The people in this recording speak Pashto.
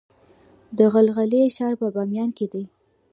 د غلغلې ښار په بامیان کې دی